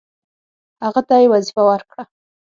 هغه ته یې وظیفه ورکړه.